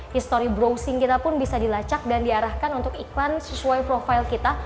history browsing kita pun bisa dilacak dan diarahkan untuk iklan sesuai profil kita